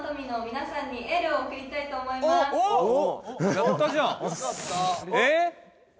やったじゃん。